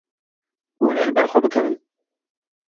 Hûn ê li ber xwe bikevin.